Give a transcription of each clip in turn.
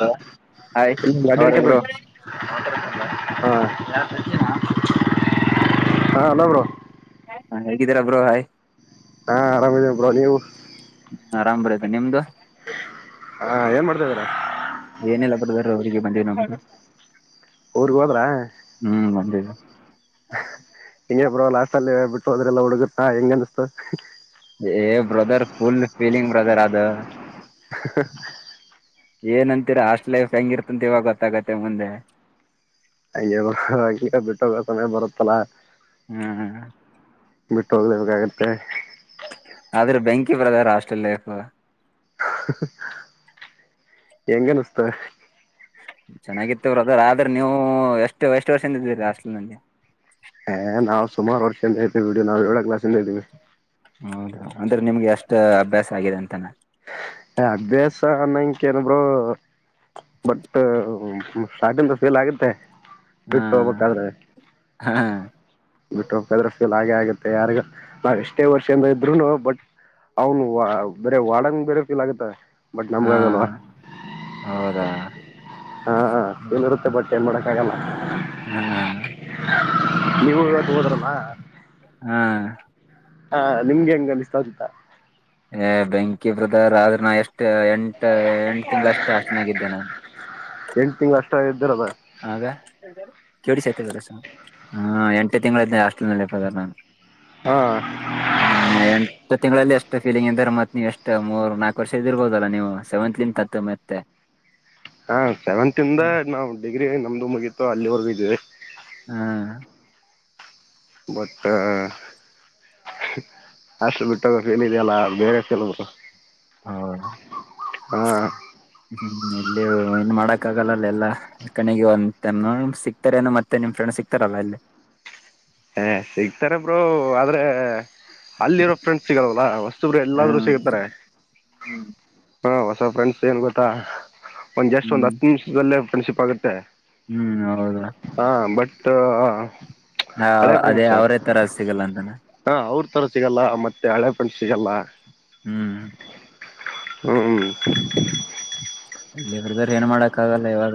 Hello hi ಇ ಅವ್ರ bro ಅಡ್ಕೋಡಿ ಹ ಹಾ ಅಲಬ್ರು ಹಾ ಹೇಗಿದ್ದೀರಾ ಬ್ರೋಹಾಯ್ ಹಾ ಆರಾಮ ಬ ನೀವು ಆರಾಮ್ ಬರತೆ ನಿಮ್ದು ಹಾಂ ಏನು ಮಾಡ್ತಾ ಇದ ಇದೀರ ಕೊದ ಅವರಿಗೆ ಬಂದಿ ಉರಿಗೆ ಹೋದ್ರಾ ಹ್ಮ್ ಬಂದಿಲ್ಲ ಹಿಂಗೆ ಬ್ರೋ ಲಾಸ್ಟ್ ಅಲ್ಲಿ ಬಿಟ್ಟು ಹೋದ್ರೆಲ್ಲ ಹುಡುಗುತ್ತಾ ಹೆಂಗ ಅನ್ಸತು ಏ ಬ್ರದರ್ ಫುಲ್ ಫೀಲಿಂಗ್ ಬ್ರದರ್ ಅದು ಹ ಏನಂತೀರ ಹಾಸ್ಟ್ ಲೈಫ್ ಹೆಂಗ ಇರ್ತಂತ ಇವಾಗ ಗೊತ್ತಾಗತ್ತೆ ಮುಂದೆ ಹೆ ಬಿಟ್ಟು ಸಮಯ ಬರುತ್ತಲ ಹ್ಮ್ ಬಿಟ್ಟು ಹೋಗ್ಲೇಬೇಕಾಗತ್ತೆ ಆದ್ರೆ ಬೆಂಕಿ ಬ್ರಧಾರ್‌ ಆಸ್ಟ್ರಲ್ ಲೈಫ್ ಹೆಂಗನ್ಸ್ತವೆ ಚೆನ್ನಾಗಿತ್ತವ್ರ ಅದ ಆದ್ರೆ ನೀವು ಎಷ್ಟು ಎಷ್ಟು ವರ್ಷದಿಂದ ಇದೀರಿ ಅಸ್ಲ್ ನಂಗೆ ಹ ನವು ಸುಮಾರು ವರ್ಷಂದ ಇರ್ತಿವಿ ಬಿಡಿ ನಾವ ಏಳ ಕ್ಲಾಸ್ [unintelligible] ಹೌದು ಅಂದ್ರೆ ನಿಮ್ಗೆ ಅಷ್ಟ ಅಭ್ಯಾಸ ಆಗಿದೆ ಅಂತಾನೆ ಅಭ್ಯಾಸ ಅನ್ನಂಕೇನಬರು ಬಟ್ ಸ್ಟಾರ್ಟಿಂದ ಫೀಲ್ ಆಗತ್ತೆ ಹ್ಮ ಹಾ ಬಿಟ್ಟದ್ರೆ ಫೀಲ್ ಹಾಗೆ ಆಗತ್ತೆ ಯಾರಗ ನಾವ್ ಎಷ್ಟೇ ವರ್ಷಿಂದ ಇದ್ರುನು ಬಟ್ ಅವ್ನು ಬರ ವಡಂಗ ಬೇರೆ ಪಿಲಾಗುತ್ತಾ ಬಟ್ ನಮಗ ಹಾ ಆಗಲ್ವಾ ಹೌದಾ ಹಾ ಏನಿರುತ್ತೆ ಬಟ್ ಏನ್ ಮಾಡಕ್ಕ ಆಗಲ್ಲ ಹಾ ನೀವು ಹ ಹೋದ್ರವಾ ಹಾ ಹಾ ನಿಮ್ಗೆ ಹಂಗ ಅನ್ಸ್ತು ಅಂತ ಹ ಬೆಂಕಿ ಬ್ರದರ್ ಆದರೂ ನಾನು ಎಂಟ ಎಂಟು ತಿಂಗಗಳಷ್ಟೇ ಅಷ್ಟನಾಗಿದ್ದೆ ನಾನು ನಿ ಅಷ್ಟ ಇದ್ದಿರದ ಆಗ ಕೇಳ ಸತ [unintelligible] ಹಾ ಎಂಟು ತಿಂಗಳೆ ಆಾಸ್ಟೆಲ್ ನಲ್ಲಿ ಇರ್ದಾರ ನಾನು ಹ ಹ್ಮ ಎಂಟು ತಿಂಗಳಲ್ಲಿ ಅಷ್ಟು ಎಷ್ಟ ಫೀಲಿಂಗ್ ಅಂದಾರೆ ಮತ್ತತ್ ನೀವು ಎಷ್ಟು ಮೂರ್ ನಾಲ್ಕು ವರ್ಷ ಇದ್ದ ಇರ್ಬೋದಲ್ಲಾ ನೀವು ಸೆವೆಂತ್ ಲನ್ ತ ಮತ್ತೆ ಹಾ ಸೆವೆಂತ್ ಇಂದ ನಾವ್ ಡಿಗ್ರಿ ನಮ್ದು ಮುಗಿತ್ತು ಅಲ್ಲಿವರೆಗೂ ಇದದೆ ಹ್ಮ್ ಮತ್ತ ಅಷ್ಟು ಬಿಟ್ಟೋಗಕ ಏನಿದೆಯಲ್ಲ ಬೇರೆ ಕೆಲರು ಹೌ ಹ್ಮ್ ಇಲ್ಲಿ ಇನ್ ಮಾಡಕ್ ಆಗಲ್ಲಲ್ಲ ಎಲ್ಲ ಕಣಿಗೆ ಒಂದು್ ನ ಸಿಕ್ತಾರ ಏನೋ ಮತ್ತೆ ನಿಮ್ ಫ್ರೆಂಡ್ ಸಿಕ್ತಾರಲ್ಲ ಅಲ್ಲಿ ಹ ಸಿಗ್ತಾರೆ ಬ್ರೋ ಆದ್ರೆ ಅಲ್ಲಿರೋ ಫ್ರೆಂಡ್ ಸಿಗಲ್ದಲ್ಲ ಹೊಸ್ತರು ಎಲ್ಲಾದ್ ಹ್ಮ್ ಸಿಗತಾರೆ ಹ್ಮ್ ಹಾ ಹೊಸ ಫ್ರೆಂಡ್ಸ್ ಏನ್ ಗೊತ್ತಾ ಒಂದ ಜಸ್ಟ್ ಒಂದ್ ಹ್ಮ್ ಹತ್ತು ನಿಮಿಷದಲ್ಲೇ ಫೆಸಿ ಆಗುತ್ತೆ ಹ್ಮ್ ಹೌದಾ ಹ [inaudible] ಹಾ ಅದೇ ಅವ್ರೇ ತರ ಸಿಗಲ್ಲ ಅಂತಾನ ಥರ ಸಿಗಲ್ಲ ಮತ್ತೆ ಹಳೆಫಂಡಟ್ ಸಿಗಲ್ಲ ಹ್ಮ್ ಹ್ಮ್ ಇಲ್ಲಿ ಬದ್ರ ಏನ್ ಮಾಡಕ್ ಆಗಲ್ಲ ಇವಾಗ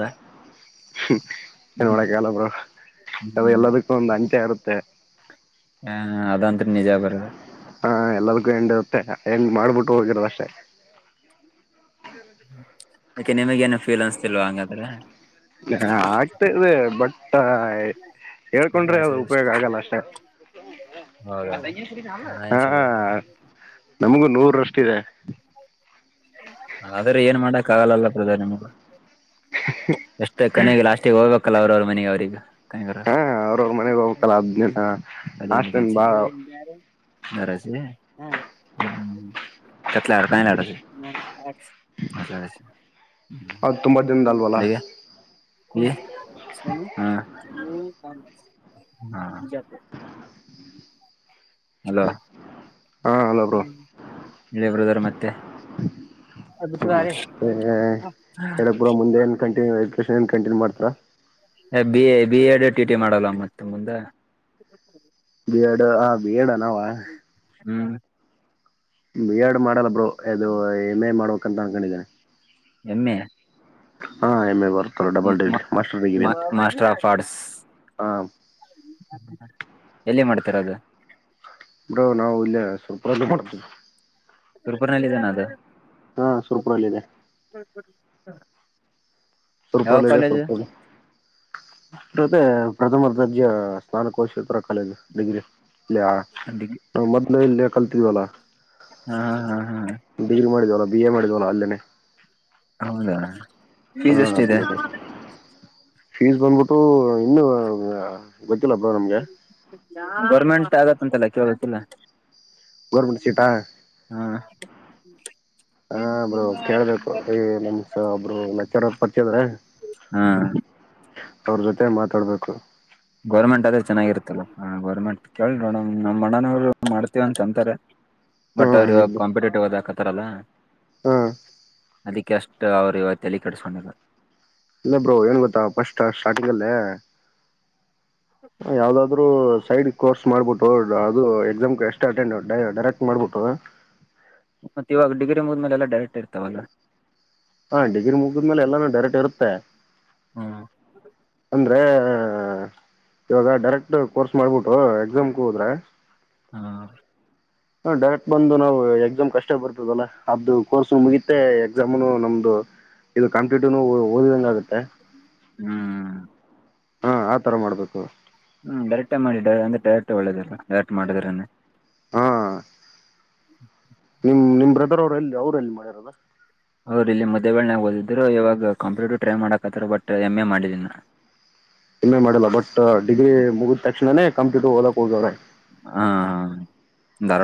ಏ ಹ್ಮ್ ನೋಡಕಾಲ ಬ್ರ ಅದು ಹ್ಮ್ ಎಲ್ಲದಕ್ಕೂ ಒಂದು ಅಂಚೆ ಇರುತ್ತ ಮತ್ತ ಹ ಅದತ್್ರ ನಿಜ ಬರದ ಹ ಎಲ್ಲದಕ್ಕೂ ಹೆಂಡಿ ಇರುತ್ತೆ ಹೆಏನ್್ ಮಾಡ್ಬಿಟ್ಟು ಹೋಗಿರೋದ ಅಷ್ಟೇ ಯಾಕೆ ನಿಮಗ ಏನು ಫೀಲ್ ಅನ್ಸ್ತಿಲ್ವಾ ಹಂಗಾದ್ರೆ ಹೇಳ್ಕೊಂಡ್ರಿ ಅದು ಉಪಯೋಗ ಆಗಲ್ಲ ಅಷ್ಟೇ ಹೌದೌದು [inaudible] ಹಾ ನಮಗು ನೂರಷ್ಟಿದೆ ಆದ್ರೆ ಏನ್ ಮಾಡಕ್ ಆಗಲ್ಲಲ್ಲ ಪ್ರಧಾನ ನಿಮ್ಗ ಎಷ್ಟೇ ಕಣಿಗೆ ಲಾಸ್ಟಿಗೆ ಹೋಗ್ಬೇಕಲ್ಲ ಅವ್ರವ್ರು ಮನೆಯ ಅವ್ರಗ ಕಗರ ಹಾ ಅವ್ರವ್ರ ಮನೆಗ್ ಹೋಗ್ಬೇಕಲ್ಲ ಅದ್ನ ಹಾಸ್ಟೆಲ್ ಬಾ ನರಾಜಿ ಹ್ಮ [inaudible] ಕೆಟ್ಲ ಆಡ ಕಾಯಿ ಆಡತೆ ಅದು ತುಂಬಾ [unintelligible] ದಿನದ ಅಲ್ವಲ್ಲ ಹ್ಮ ಹಾ ಅಲೋ ಹಾ ಅಲ್ಲ ಬ್ರೋ ಹ್ಮ ಇಲೆ ಬ್ರದರ್ ಮತ್ತೆ ಮತ್ತೆ ಎಡ ಪುರ ಮುಂದೆ ಏನ್ ಕಂಟಿನ್ಯೂ ಎಜ್ಕೇಶನ್ ಎನ್ ಕಂಟಿನ್ಯೂ ಮಾಡ್ತ್ ರಾ? ಏ B B Ed T T ಮಾಡಲ್ಲ ಮತ್ತೆ ಮುಂದ ಬಿ ಎಡ್ ಹ ಬಿ ಎಡ್ ಅನವಾ ಹ್ಮ್ ಬಿ ಎಡ್ ಮಾಡಲ್ಲ ಬ್ರೋ ಅದು ಎಮ್ ಎ ಮಾಡ್ಬೇಕಂತ ಅನ್ಕೊಂಡಿದಿನಿ. ಹೂ ಹಾ ಎಮ್ಮೆ ಬರು ಮಾಸ್ಟರ್ ಆಫ್ ಆರ್ಟ್ಸ್ ಹಾ ಎಲ್ಲಿ ಮಾಡ್ ತೀರದ್. ಬ ನಾವು ಇಲ್ಲೆಯ ಸಲ್ ಪ್ರದ್ ಮಾಡ್ತೀ. ತುರ್ಪುರ್ನಲ್ಲಿ ಇದಾನ ಅದು. ಹಾ ಸುರ್ಪುರಲ್ಲ ಅಲ್ಲಿದೆ. ಹಾ. ಸುರ್ಪುರಲ್ಲಿ ಇದೆ ಸುರ್ಪುರ್ ತೊತೆ. ಪ್ರಥಮ ದರ್ಜೆ ಸ್ನಾನಕೋಶೇಪರ ಕಾಲೇಜು ಡಿಗ್ರಿ. ಲೆ ಯ ಡಿಗ್ರಿ ಮದ್ಲು ಇಲ್ಲಿ. ಕಲ್ತಿದಿವಲ್ಲಾ. ಹಾ ಹಾ ಹಾ. ವಿಯ ಮಾಡಿದ್ವಲ್ಲ ಅಲ್ಲೇನೇ. ಹೌದಾ. ಫೀಸ್ ಏಷ್ಟಿದೆ?. ಅದ ಫೀಸ್ ಬಂದ್ಬಿಟ್ಟು ಇನ್ನು ಆ ಗೊತ್ತಿಲ್ಲಪ್ಪ ನಮ್ಗೆ ಟ್ ಆಗತ್ತಂತೆಲ್ಲ ಕೇಳ ಗೊತ್ತಿಲ್ಲ. ಗೋರ್ಮೆಂಟ್ ಸೀಟ ಹ ಬ್ರೋ ಕೇಳಬೇಕು ಈ ನಮಸ ಒಬ್ರು ಲೆಚರರ್ ಪರ್ಚಯ ಇದಾರೆ. ಹಾ ಅವ್ರ್ ಜೊತೆ ಮಾತಾಡ್ಬೇಕು. ಗೋರ್ಮೆಂಟ್ ಅದ್ರೆ ಚೆನ್ನಾಗಿರ್ತ್ತಲ್ಲ ಹ ಗೋರ್ಮೆಂಟ್ ಕೇಳ್ ನೋಡಣ್ ನಮ್ಮ್ ಅಣ್ಣನವರು ಮಾಡ್ತೀವ್ ಅಂತ್ ಅಂತಾರೆ. ಹಾ ಬಟ್ ಅವ್ರ ಇವ ಕಂಪಿಟೇಟಿವ್ ಓದಾಕ. ತಾರಲ್ಲ ಹ್ಮ ಅದಕ್ಕೆ ಅಷ್ಟು ಅವ್ರು ಇವ ತಲಿ ಕಡಿಸಕೊಂಡಿಲ್ಲ. ಇಲ್ಲ ಬ್ರೋ ಏನ್ ಗೊತ್ತಾ ಪಫಸ್ಟ್ ಸ್ಟಾರ್ಟಿಂಗ್ ಅಲ್ಲೇ. ಯಾವ್ದಾದ್ರು ಸೈಡ್ ಕೋರ್ಸ್ ಮಾಡ್ಬಿಟ್ಟು. ಅದು ಎಕ್ಸಾಮ್ ಎಷ್ಟ ಅಟೆಂಡ್ ಡೈರೆಕ್ಟ್ ಮಾಡ್ಬಿಟ್ಟದ. ಮತ್ತೆ ಇವಾಗ ಡಿಗ್ರಿ ಮುದ್ಮೇಲೆ ಎಲ್ಲ ಡೈರೆಕ್ಟ್ ಇರ್ತಾವಲ್ಲ. ಹಾ ಡಿಗ್ರಿ ಮುಗಿದ್ಮೇಲೆ ಎಲ್ಲಾನು ಡೈರೆಕ್ಟ್ ಇರುತ್ತೆ. ಹ್ಮ್ ಅಂದ್ರೆ. ಇವಾಗ ಡೈರೆಕ್ಟ್ ಕೋರ್ಸ್ ಮಾಡ್ಬಿಟ್ಟು ಎಕ್ಸಾಮ್ಗೆ ಹೋದ್ರೆ. ಹಾ. ಹ ಡೈರೆಕ್ಟ್ ಬಂದು ನಾವು ಎಕ್ಸಾಮ್ ಕಷ್ಟ ಬರ್ತದಲ್ಲ ಅ್ದು ಕೋರ್ಸ್ ಮುಗಿತೆ ಎಕ್ಸಾಮ್ನು ನಮ್ದು ಇದು ಕಾಂಪಿಟೇಟಿವ್ನು ಓದಿದಂಗ ಆಗುತ್ತೆ. ಹ್ಮ್ ಹಾ ಆ ತರ ಮಾಡ್ಬೇಕದು. ಕಠ. ಹ್ಮ್ ಡೈರೆಕ್ಟೇ ಮಾಡಿ ಡ ಅಂದ್ರೆ ಡೈರೆಕ್ಟ್ ಒಳ್ಳೇದಲ್ಲಡರೆಕ್ಟ್ ಮಾಡಿದ್ರನ್ನೆ. ಹ್ಮ. ನಿಮ್ ನಿಮ್ ಬ್ರದರ್ ಅವ್ರ ಎಲ್ಲಿ ಅವ್ರ ಎಲ್ಲಿ ಮಾಡಿರೋದು. ಅವರು ಇಲ್ಲಿ ಮುದ್ದೇಬಿಹಾಳನಗ ಓದಿದ್ರು ಇವಾಗ ಕಂಪ್ಯೂಟರ್ ಟ್ರೈ ಮಾಡಕತ್ತಾರ ಬಟ್ ಎಮ್ ಎ ಮಾಡಿಲ್ಲ ಇನ್ನ. ಎಂ ಎ ಮಾಡಿಲ್ಲ. ಬಟ್ ಡಿಗ್ರಿ ಮುಗಿದ ತಕ್ಷಣನೇ ಕಂಪ್ಯೂಟರ್ ಓದಕ್ ಹೋಗವ್ರೆ. ಹಾ ಹಾ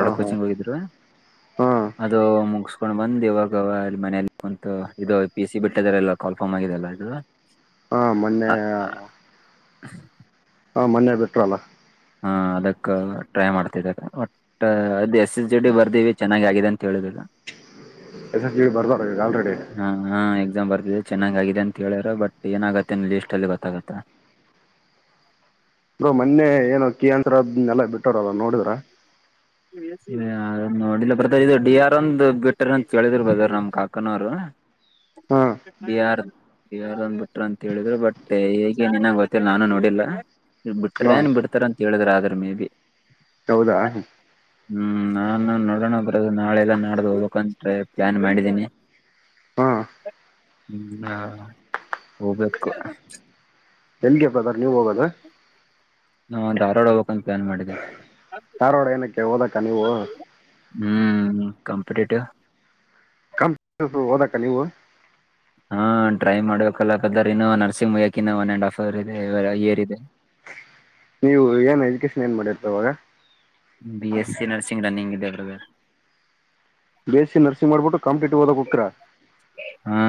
ಹಾ ಹಾ ಕೋಚಿಂಗ್ ಹೋಗಿದ್ರು. ಹಾ ಅದು, ಮುಗಿಸಸ್ಕೊಂಡ್ ಬಂದ್ ಇವಾಗವ ಅಲ್ಲಿ ಮನಲಿ ಕುಂತು ಇದು ಪಿ ಸಿ ಬಿಟ್ಟದಾರಲ್ಲ ಕಾಲ್ಫಾರ್ಮ್ ಆಗಿದೆಲ್ಲ ಇದು. ಹಾ ಮೊನ್ನೆ ಅ- ಹ [inaudible] ಹಾ ಮನ್ಯ ಬಿಟ್ರಲ್ಲ. ಹಾ ಅದಕ್ಕ ಟ್ರೈ ಮಾಡ್ತಿದಿದ್ದಾರೆ. ಬಟ್ ಅದ ಜಡೆ ಬರ್ದೇವಿ ಚೆನ್ನಾಗಿದೆ. ತಿಳಿದಿಲ್ಲ. ರೀಸೆಂಟ್ಲಿ ಬರ್ದಾರ. ಈಗ ಆಲ್ರೆಡಿ ಹಾ ಹಾ ಎಕ್ಸಾಮ್ ಬರ್ತಿ ಚೆನ್ನಾಗಾಗಿದೆ ಅಂತ ಹೇಳ್ಯಾರ ಬಟ್ ಏನಾಗತ್ತೆನ್ ಲಿಸ್ಟ್ ಅಲ್ಲಿ ಗೊತ್ತಾಗತ್ತ. ನ ಮೊನ್ನೆ ಏನೋ ಕ್ಕಿ ಅ ಆನ್ಸರ್ಸ್ ಎಲ್ಲ ಬಿಟ್ಟೋರ ಅಲ್ಲ ನೋಡಿದ್ರ. ನೋಡಿಲ್ಲ ಬ್ರದರ ಇದು ಡಿ ಆರ್ ಒಂದ್ ಬಿಟ್ಟ್ರ ಅಂತ ಕೇಳಿದ್ರು ಬದ ನಮ್ ಕಾಕನವರು ಹಾ ಡಿ ಆರ್ ಡಿ ಆರ್ ಒಂದ್ ಬಿಟ್ರ ಅಂತ ಹೇಳಿದ್ರು ಬಟ್ ಹೇಗೆ ನಿನ್ನಂಗ ಗೊತ್ತಿಲ್ಲ ನಾನು ನೋಡಿಲ್ಲ. ಬಿ ಹಾ ಟ್ರೇನ್ ಬಿಡ್ತಾರ ಅಂತ ಹೇಳಿದ್ರ. ಅಂದ್ರ ಮೇಬಿ. ಹೌದಾ. ಹ್ಮ್ ನಾನು ನೋಡೋಣ ಬರದು ನಾಳೆ ಎಲ್ಲ ನಾಡ್ದ ಹೋಗ್ಬೇಕಂತ್ರೆ ಪ್ಲಾನ್ ಮಾಡಿದೀನಿ ಹಾ ಹ್ಮ ಹೋಗ್ಬೇಕು. ಎಲ್ಗೆ ಬ್ರದರ್ ನೀವ ಹೋಗದ. ನಾ ಧಾರವಾಡ ಹೋಗಕಂತ ಪ್ಲಾನ್ ಮಾಡಿದಿವಿ. ಧಾರವಾಡ ಏನಕ್ಕೆ ಹ ಓದಕ್ಕ ನೀವು. ಕಂಪಿಟೇಟಿವ್. ಕಂ ಓದಕ್ಕ ನೀವು. ಹಾ ಟ್ರೈ ಮಾಡ್ಬೇಕಲ್ಲದರ್ ಇನ್ನು ನರ್ಸಿಂಗ್ ಬಯಕ ಇನ್ನು ಒನ್ ಅಂಡ್ ಹಫ್ ಅವರ್ ಇದೆ ಇಯರ್ ಇದೆ. ನೀವು ಏನ್ ಎಜುಕೇಶನ್ ಏನ್ ಮಾಡಿರ್ತವಾಗ B S C nursing running ಇದೆ. Brother, B S C nursing ಮಾಡ್ಬಿಟ್ಟು ಕಾಂಪ್ಲೀಟಿವ್ ಓದಕ್ ಹೋಗ್ತೀರಾ. ಹಾ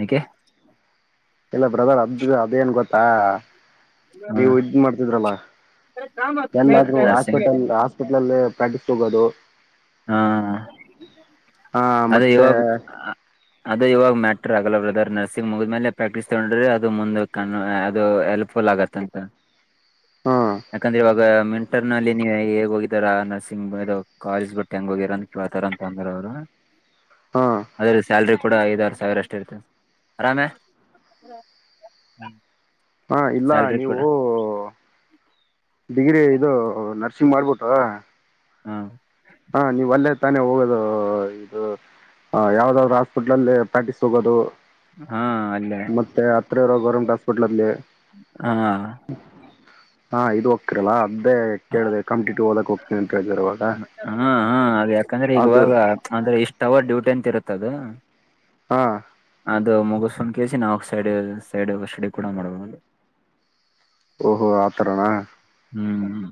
ಯಾಕೆ. ಇಲ್ಲ ಬ್ರದರ್ ಅದ ಅದೇಏನ್ ಗೊತ್ತಾ. ಹಾ ನೀವು ಇದ್ ಮಾಡ್ತಿದ್ರಲ್ಲ ಎಲ್ಲಾದ್ರೂ ನರ್ಸಿಂಗ್ ಹಾಸ್ಪಿಟಲ್ ಹಾಸ್ಪಿಟಲ್ ಅಲ್ಲಿ ಪ್ರಾಕ್ಟೀಸ್, ತೊಗದು, ಹಾ ಹಾ ಅದು ಮತ್ತೆ ಇವಾಗ ಅದು ಇವಾಗ ಮ ಆಗ ನರ್ಸಿಂಗ್ ಮುಗಿದ್ಮೇಲೆ ಪ್ರಾಕ್ಟೀಸ್ ತಗೊಂಡ್ರೆ ಅದು ಮುಂದ ಕ ಅದು ಹೆಲ್ಪ್ಫುಲ್ ಆಗತ್ತಂತ ಹಾ ಯಾಕಂದ್ರೆ ಇವಾಗ ಮಿಂಟರ್ ನಲ್ಲಿ ನೀ ಹೇಗ್ ಹೋಗಿದ್ದಾರಾ ನರ್ಸ ಕಾಲೇಜ್ ಬಿಟ್ ಹೆಂಗ್ ಹೋಗಿರ ಕೇಳ್ತಾರ ಅಂತ ಅಂದ್ರ ಅವ್ರು ಹಾ ಅದ್ರ ಸ್ಯಾಲ್ರಿ ಕೂಡ ಐದ ಆರುು ಸಾವಿರ ಅಷ್ಟು ಇರ್ತದೆ ಆರಾಮೇ ಹ್ಮ್ ಹ ಇಲ್ಲ ನೀವು ಡಿಗ್ರಿ ಇದು ನರ್ಸಿಂಗ್ ಮಾಡ್ಬಿಟ್ಟು ಹಾ ಹಾ ನೀವ್ ಅಲ್ಲೇ ತಾನೇ ಹೋಗೋದು ಇದು ಯಾವ್ದಾದ್ರು ಹಾಸ್ಪಿಟ್ಲ್ ಅಲ್ಲ ಪ್ರಾಕ್ಟೀಸ್ ಹೋಗೋದು ಹಾ ಅಲ್ಲೇ ಮತ್ತೆ ಹತ್ರ ಇರ ಗೌರ್ಮೆಂಟ್ ಹಾಸ್ಪಿಟ್ಲ್ಲ್ಲಿ ಹಾ ಹಾ ಇದು ಹೋಗ್ಕಿರಲ್ಲಾ ಅದೇ ಕೇಳಿದೆೆ ಕಂಪಿಟ್ ಹಓದಕಕ್ ಹೋಗತನಿ ಅಂತ ಹೇಳಿದಾರೆ ಅವವಾಗ ಹ್ಮ ಹಾ ಅದ ಯಾಕಂದ್ರೆ ಈಗ ಇವಾಗ ಆದ್ರೆ ಇಷ್ಟ್ ಅವರ್ ಡ್ಯೂಟಿ ಅಂತ ಇರುತ್ತ ಅದು ಹಾ ಅದು ಮುಗಸೊಂಡ ಕಸಿ ನಾವುಕ್ ಸೈಡ್ ಸೈಡ್ ವ ಶಡಿ ಕೂಡ ಮಾಡಬದು ಓಹೋ ಆತರಣ ಹ್ಮ್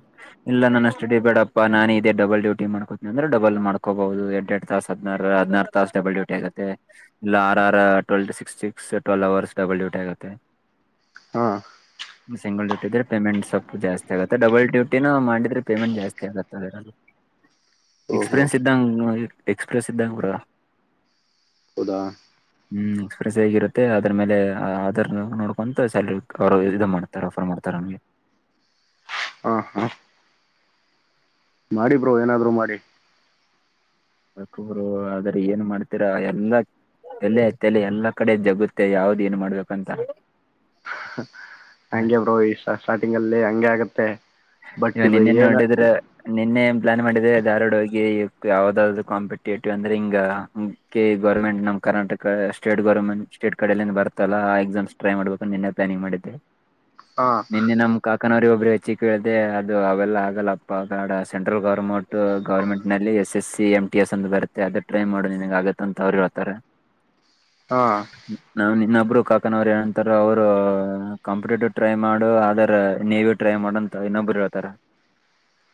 ಇಲ್ಲ ನನ್ನ ಸ ಬೇಡಪ್ಪಾ ನಾನು ಇದೇ ಡಬಲ್ ಡೂಟ ಮಾಡ್ಕೋತಿನನ ಅಂದ್ರೆ ಡಬಲ್ ಮಾಡ್ಕೋಬಹುದು ಎರಡ್ ಎರಡ್ ತಾಸ ಹದ್ಾರ ಹದನಾರು ತಾಸ ಡಬಲ್ ಡೂಟಿ ಆಗುತ್ತೆ ಇಲ್ಲ ಟ್ವೆಟಿ ಸಿಕ್ಸ್ ಸಿಸ್ ಟ್ವೆಲ್ ಅವರ್ಸ್ ಡಬಲ್ ಡ್ಯೂಟಿ ಆಗುತ್ತೆ ಹಾ ಸಿಂಗಲ್ ಡೇ ಇದ್ರೆ ಪೇಮೆಂಟ್ ಸ್ವಲ್ಪ ಜಾಸ್ತಿ ಆಗುತ್ತೆ ಡಬಲ್ ಡ್ಯೂಟಿನ ಮಾಡಿದ್ರೆ ಪೇಮೆಂಟ್ ಜಾಸ್ತಿ ಆಗುತ್ತದ ಓಹೋ ಎಕ್ಸ್ಪೀರಿಯನ್ಸ್ ಇದ್ದಂಗ ಎಕ್ಸ್ಪ್ರೆಸ್ ಸಿದ್ದಪುರ ಹೌದಾ ಹ್ಮ್ ಎಕ್ಸ್ಪ್ರೆಸ್ ಆಗಿರುತ್ತೆ ಅದ್ರ ಮೇಲೆ ಅದರ್ ನೋಡ್ಕೊಂತು ಸಲ್ರಿ ಅವರು ಇ ಮಾಡ್ತಾರೆ ಆಫರ್ ಮಾಡ್ತಾರೆ ನಮಗೆ ಹ ಹಾ ಮಾಡಿ ಬ್ರೋ ಏನಾದ್ರು ಮಾಡಿ ಅರು ಆದ್ರ ಏನ್ ಮಾಡ್ತರ ಎಲ್ಲ ಎಲೆತ್ತಲೆ ಎಲ್ಲಾ ಕಡೆ ಜಗುತ್ತೆ ಯಾವ್ದ್ ಏನ್ ಮಾಡ್ಬೇಕಂತ ಹ, ಹಗೆ ಬ್ರೋ ಈ ಸ್ಟಾರ್ಟಿಂಗ್ ಅಲ್ಲಿ ಹಂಗೆ ಆಗತ್ತ ಹ ಇವ ನಿನ್ನೆನ್ ನೋಡಿದ್ರ ನಿನ್ನೆ ಏನ್ ಪ್ಲಾನ್ ಮಾಡಿದ್ರೆ ಧಾರ್ವಾಡ ಹೋಗಿ ಯಾವದಾದ್ದದು ಕಾಂಪಿಟೇಟಿವ್ ಅಂದ್ರೆ ಹಿಂಗ ಕ ಗೌರ್ಮೆಂಟ್ ನ್ ಕರ್ನಾಟಕ ಸ್ಟೇಟ್ ಗೋರ್ಮೆಂಟ್ ಸ್ಟೇಟ್ ಕಡಿಂದ ಬರ್ತಲ್ಲಾ ಆ ಎಕ್ಸಾಮ್ಸ್ ಟ್ರೈ ಮಾಡ್ಬೇಕು ನಿನ್ನೆ ಪ್ಲಾನಿಂಗ ಮಾಡಿದ್ದೆ ಹಾ ನಿನ್ನೆ ನಮ ಕಾ ನರಿ ಒಬರಿ ವಿ ಕೇಳ್ದೆ ಅದು ಅವೆಲ್ಲ ಆಗಲ್ಲಪ್ಪಾಡ ಸೆಂಟ್ರಲ್ ಗೌರ್ಮೆಂಟ್ ಗವರ್ಮೆಂಟ್ ನಲ್ಲಿ S S M T S ಅಂದ ಬರುತ್ತೆ ಅದ ಟ್ರೈನ್ ಮಾಡೋ ನನ್ಗ್ ಆಗತ್ತ ಅಂತ ಅವ್ರು ಹೇಳ್ತಾರೆ ಹಾ ನವು ನಿನ್ನ ಒಬ್ರು ಕಾಕನವರು ಏಂತಾರೆ ಅವರು ಕಂಪ್ಯೂಟಟರ್ ಟೈ ಮಾಡು ಅದರ ನೇವಿ ಟ್ರೈ ಮಾಡ ಇನ್ನೊಬ್ಬರು ಹೇಳ್ತಾರ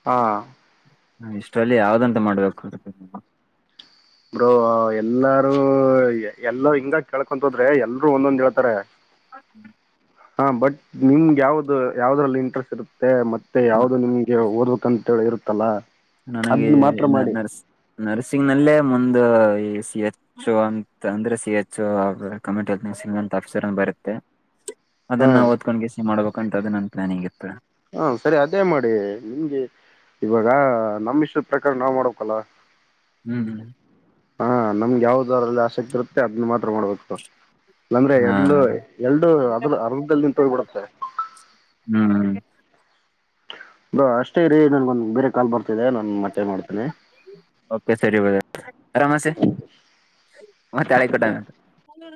ಹಾ ಹ ಇಷ್ಟರಲ್ಲಿ ಯಾವ್ದಂತ ಮಾಡ್ಬೇಕುತದೆ ನೀ ಬ್ರೋ ಎಲ್ಲಾರೂ ಎಲ್ಲ ಹಿಂಗ ಕೇಳ್ಕೊಂತ ಹೋದ್ರೆ ಎಲ್ರುೂ ಒಂದೊಂದ್ ಹೇಳ್ತಾರೆ ಹ ಹಾ ಬಟ್ ನಿಮ್ಗೆ ಯಾವ್ದ ಯಾವದ್ರಲ್ಲಿ ಇಂಟ್ರೆಸ್ಟ್ ಇರುತ್ತೆ ಮತ್ತ ಮತ್ತೆ ನ- ಯಾವ್ದು ನಿಮ್ಗೆ ಓದ್ಕಂತ ಇರುತ್ತಲ್ಲಾ ನನಗೆ ನರ್ಸ್ ನರ್ಸಿಂಗ್ ನಲ್ಲೇ ಮುಂದ ಈ ಸಿ ಎಚ್ ಅಂತ ಅಂದ್ರೆ ಸಿ ಎಚ್ ಕಮಟಿನ್ೂಸಂಗ್ ಅಂತ ಆಫೀಸರ್ ಬರುತ್ತೆ ಹಾ ಅದನ್ನಾ ಓದ್ೊಂಡುಿಸಿಸ ಮಾಡಬೇಕು ಕಂಂತದದು ನನ್ ಪ್ಲಾನ್ ಹಗಿತ್ತು ಹಾ ಸರಿ ಅದೇ ಮಾಡಿ ನಿಮ್ಗೆ ಇವಾಗ ನಮಿಷ್ಟದ ಪ್ರಕಾರ ನಾವ್ ಮಾಡಕಲ್ಲ ಹ್ಮ್ ಹ್ಮ್ ಹಾ ನಮ್ಗೆ ಯಾವ್ದರಲ್ಲಿ ಆಸಕ್ತಿ ಇರುತ್ತೆ ಅದನ್ನ ಮಾತ್ರ ಮಾಡ್ಬೇಕು ಅಂದ್ರೆ ಹಾ ಎಡ್ಡು ಎಲ್ಡು ಅದ ಅರ್ಧದಲ್ಲಿ ನಿಂತೋಗ್ ಬಿಿಡತ್ತೆ ಹ್ಮ್ ಬಾ ಅಷ್ಟೇ ಇ ರರಿ ನನ್ಗೊಂದ ಬೇರೆ ಕಾಲ್ ಬರ್ತ ಸರಿ ಬ ಆರಾಮ ಮ ತಳ ಕಟಾವ ಹ್ಮ